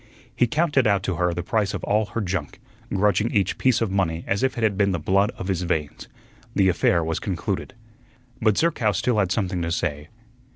He counted out to her the price of all her junk, grudging each piece of money as if it had been the blood of his veins. The affair was concluded. But Zerkow still had something to say.